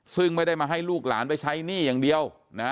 ซึ่งไม่ได้มาให้ลูกหลานไปใช้หนี้อย่างเดียว